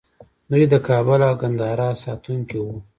دوی د کابل او ګندهارا ساتونکي وو